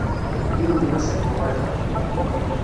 Yiwen n wass ad d-uɣaleɣ.